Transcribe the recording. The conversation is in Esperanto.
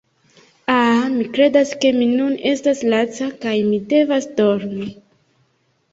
Ah, mi kredas ke mi nun estas laca kaj mi devas dormi